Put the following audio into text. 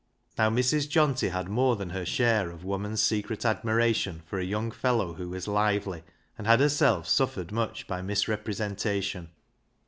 Now Mrs. Johnty had more than her share of woman's secret^ admiration for a young fellow who was " lively," and had herself suffered much by misrepresentation.